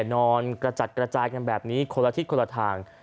นอนกระจัดกระจายกันแบบนี้คนละทิศคนละทาง